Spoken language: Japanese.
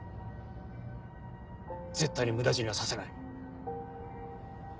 絶対に無駄死にはさせない。